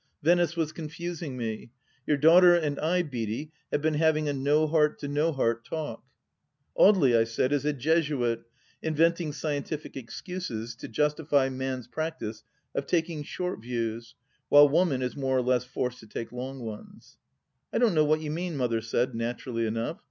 Venice was confusing me. Your daughter and I, Beaty, have been having a No Heart to No Heart talk." " AudeJy," I said, " is a Jesuit, inventing scientific excuses to justify man's practice of taking short views, while woman is more or less forced to take long ones." " I don't know what you mean," Mother said, naturally enough.